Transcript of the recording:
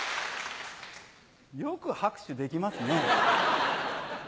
よく拍手できますね。